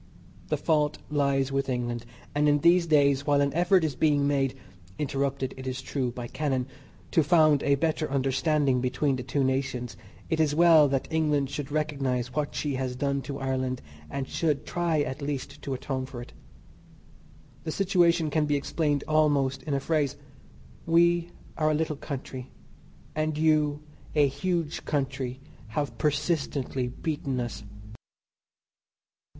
The fault lies with England, and in these days while an effort is being made (interrupted, it is true, by cannon) to found a better understanding between the two nations it is well that England should recognize what she has done to Ireland, and should try at least to atone for it. The situation can be explained almost in a phrase. We are a little country and you, a huge country, have persistently beaten us.